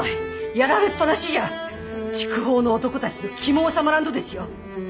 やられっ放しじゃ筑豊の男たちの気も治まらんとですよ！